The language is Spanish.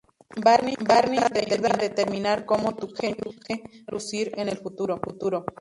Barney te ayuda a determinar cómo tu cónyuge podría lucir en el futuro.